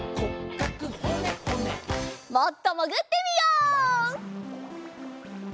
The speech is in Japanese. もっともぐってみよう！